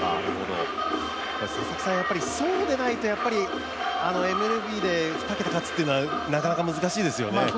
そうでないとＭＬＢで２桁勝つというのはなかなか難しいですよね。